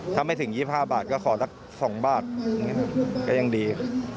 ถ้าไม่ถึง๒๕บาทก็ขอละ๒บาทก็ยังดี